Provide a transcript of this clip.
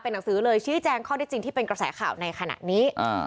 หนังสือเลยชี้แจงข้อได้จริงที่เป็นกระแสข่าวในขณะนี้